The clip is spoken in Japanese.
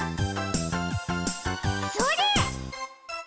それ！